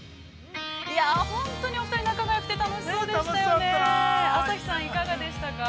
◆本当にお二人仲がよくて、楽しそうでしたね。